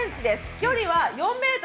距離は４ｍ。